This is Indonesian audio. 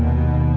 saya ikut bapak